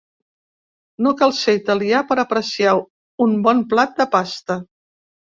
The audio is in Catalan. No cal ser italià per apreciar un bon plat de pasta.